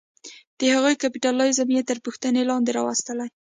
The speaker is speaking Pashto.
د هغوی کیپیټالیزم یې تر پوښتنې لاندې راوستلې.